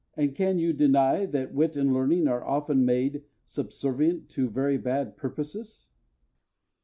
and can you deny that wit and learning are often made subservient to very bad purposes?